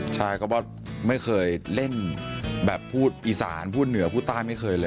ใช่ก็เพราะไม่เคยเล่นแบบพูดอีสานพูดเหนือพูดใต้ไม่เคยเลย